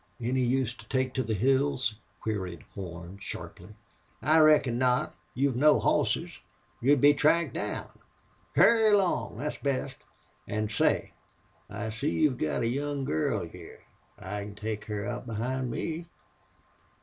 "Any use to take to the hills?" queried Horn, sharply. "I reckon not. You've no hosses. You'd be tracked down. Hurry along. Thet's best.... An' say, I see you've a young girl hyar. I can take her up behind me."